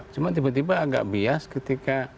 cuma tiba tiba agak bias ketika